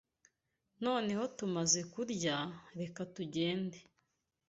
Noneho tumaze kurya, reka tugende.